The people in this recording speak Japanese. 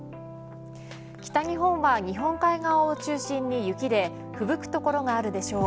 北日本は日本海側を中心に雪でふぶく所があるでしょう。